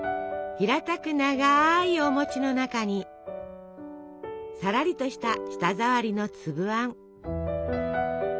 平たく長いおの中にさらりとした舌触りのつぶあん。